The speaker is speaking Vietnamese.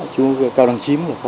chú cao đăng chiếm là phó